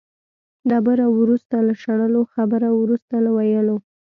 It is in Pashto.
ډبره وروسته له شړلو، خبره وروسته له ویلو.